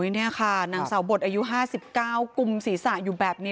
นี่ค่ะนางสาวบดอายุห้าสิบเก้ากุมศรีษะอยู่แบบนี้